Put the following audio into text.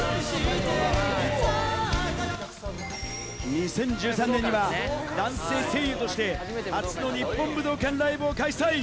２０１３年には男性声優として初の日本武道館ライブを開催。